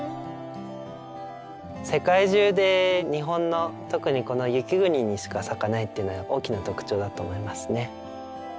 世界中で日本の特にこの雪国にしか咲かないっていうのは大きな特徴だと思いますね。